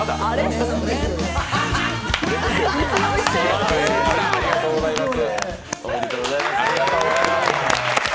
ありがとうございます。